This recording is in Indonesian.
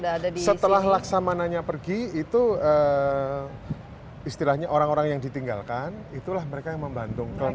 jadi setelah laksamananya pergi itu istilahnya orang orang yang ditinggalkan itulah mereka yang membantung kelenteng